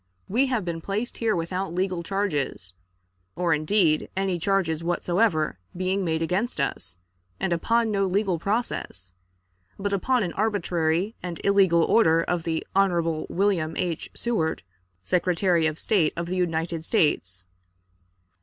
We have been placed here without legal charges, or, indeed, any charges whatsoever being made against us, and upon no legal process, but upon an arbitrary and illegal order of the Hon. William H. Seward, Secretary of State of the United States.